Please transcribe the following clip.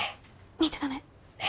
見ちゃダメねえ